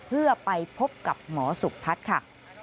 เพื่อไปพบกับหมอสุพัฒน์ค่ะ